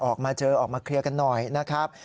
ออกมาเจอออกมาเคลียร์กันหน่อยนะครับ